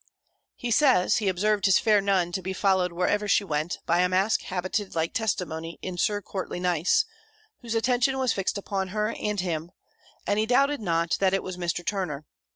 He says, he observed his fair Nun to be followed wherever she went, by a mask habited like Testimony in Sir Courtly Nice, whose attention was fixed upon her and him; and he doubted not, that it was Mr. Turner.